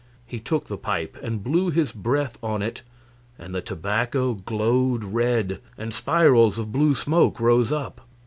He took the pipe and blew his breath on it, and the tobacco glowed red, and spirals of blue smoke rose up.